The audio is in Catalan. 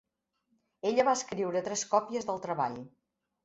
Ella va escriure tres còpies del treball.